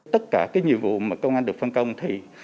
tất cả cái nhiệm vụ mà công an được phân công thì